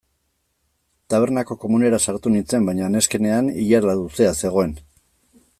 Tabernako komunera sartu nintzen baina neskenean ilara luzea zegoen.